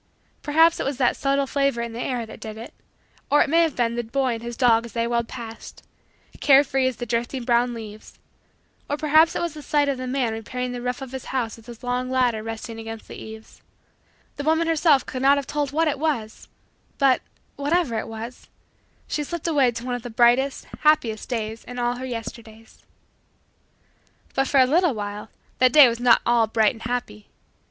Perhaps it was that subtle flavor in the air that did it; or it may have been the boy and his dog as they whirled past care free as the drifting brown leaves; or perhaps it was the sight of the man repairing the roof of the house with his long ladder resting against the eaves: the woman herself could not have told what it was, but, whatever it was, she slipped away to one of the brightest, happiest, days in all her Yesterdays. But, for a little while, that day was not at all bright and happy.